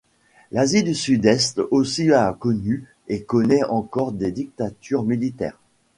L'Asie du Sud-Est aussi a connu, et connaît encore des dictatures militaires.